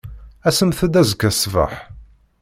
Asemt-d azekka ṣṣbeḥ.